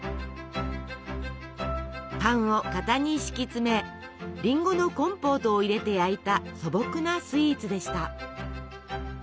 パンを型に敷き詰めりんごのコンポートを入れて焼いた素朴なスイーツでした。